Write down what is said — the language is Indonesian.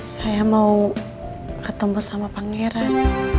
saya mau ketemu sama pangeran